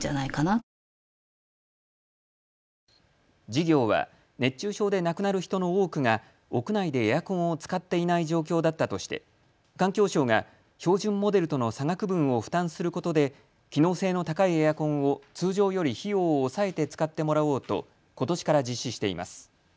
事業は熱中症で亡くなる人の多くが屋内でエアコンを使っていない状況だったとして環境省が標準モデルとの差額分を負担することで機能性の高いエアコンを通常より費用を抑えて使ってもらおうとことしから実施しています。